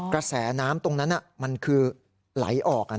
กระแสน้ำตรงนั้นมันคือไหลออก